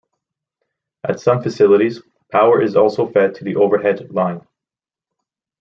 At some facilities, power is also fed to the overhead line.